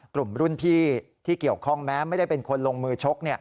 กลุ่มรุ่นพี่ที่เกี่ยวข้องแม้ไม่ได้เป็นคนลงมือชก